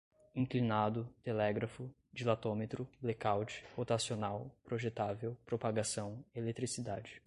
inclinado, telégrafo, dilatômetro, blecaute, rotacional, projetável, propagação, eletricidade